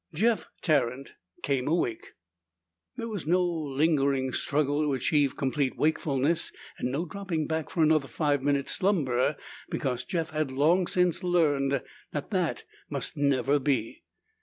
Jeff Tarrant came awake. There was no lingering struggle to achieve complete wakefulness and no dropping back for another five minutes' slumber because Jeff had long since learned that that must never be.